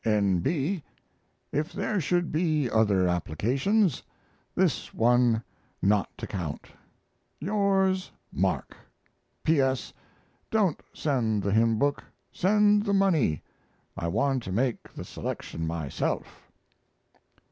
N. B. If there should be other applications, this one not to count. Yours, MARK. P. S. Don't send the hymn book; send the money; I want to make the selection myself.